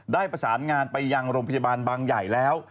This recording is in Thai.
ได้ประสานงานไปยังโรงพยาบาลบางใหญ่แล้ว